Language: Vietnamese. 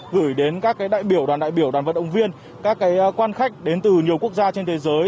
gửi đến các đại biểu đoàn đại biểu đoàn vận động viên các quan khách đến từ nhiều quốc gia trên thế giới